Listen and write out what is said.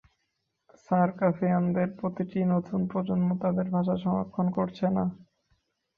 সারকাসিয়ানদের প্রতিটি নতুন প্রজন্ম তাদের ভাষা সংরক্ষণ করছে না।